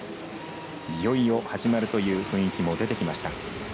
いよいよ始まるという雰囲気も出てきました。